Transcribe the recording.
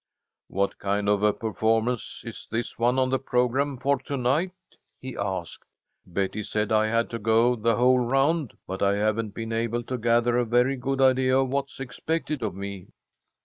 "What kind of a performance is this one on the programme for to night?" he asked. "Betty said I had to go the whole round, but I haven't been able to gather a very good idea of what's expected of me."